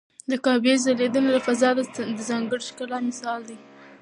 د کعبې ځلېدنه له فضا د ځانګړي ښکلا مثال دی.